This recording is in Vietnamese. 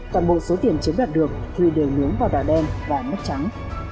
toàn bộ số tiền chiếm đạt được thuy đều nướng vào đỏ đen và mắt trắng